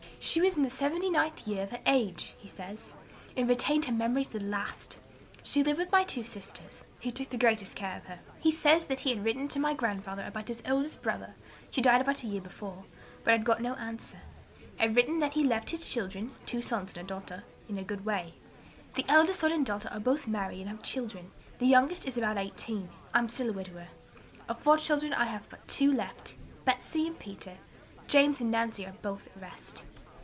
'She was in the seventy ninth year of her age,' he says, 'and retained her memory to the last. She lived with my two sisters, who took the greatest care of her.' He says that he had written to my grandfather about his oldest brother (who died about a year before), but had got no answer, had written that he left his children, two sons and a daughter, in a good way: 'The eldest son and daughter are both married and have children; the youngest is about eighteen. I am still a widower. Of four children I have but two left, Betsey and Peter; James and Nancy are both at rest.'